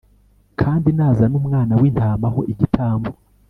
kandi nazana umwana w intama ho igitambo